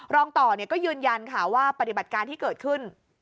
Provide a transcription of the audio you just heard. รองต่อก็ยืนยันค่ะว่าปฏิบัติการที่เกิดขึ้น